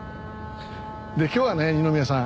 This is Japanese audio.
で今日はね二宮さん。